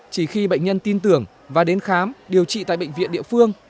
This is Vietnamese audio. chỉ khi bệnh nhân tin tưởng và đến khám điều trị tại bệnh viện địa phương